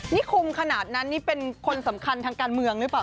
นี่คุมขนาดนั้นนี่เป็นคนสำคัญทางการเมืองหรือเปล่า